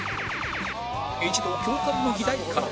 一同共感の議題から